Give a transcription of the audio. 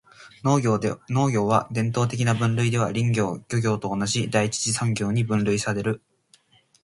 農業は、伝統的な分類では林業・漁業と同じ第一次産業に分類される。